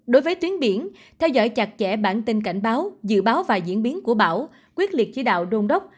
đối với tuyến biển theo dõi chặt chẽ bản tin cảnh báo dự báo và diễn biến của bão quyết liệt chỉ đạo đôn đốc